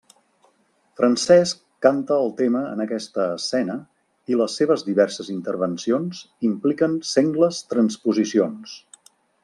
Francesc canta el tema en aquesta escena i les seves diverses intervencions impliquen sengles transposicions.